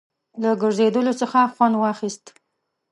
له ګرځېدلو څخه خوند واخیست.